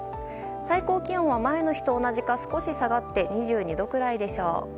最高気温は前の日と同じか少し下がり２２度くらいでしょう。